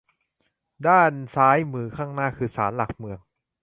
ด้านซ้ายมือข้างหน้าคือศาลหลักเมือง